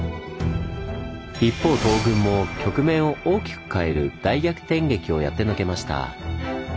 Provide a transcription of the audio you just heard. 一方東軍も局面を大きく変える大逆転劇をやってのけました。